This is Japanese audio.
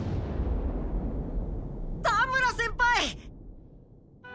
田村先輩！